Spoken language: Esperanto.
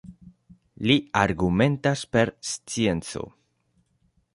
Li argumentas per scienco.